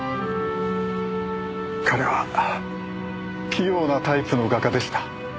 彼は器用なタイプの画家でした。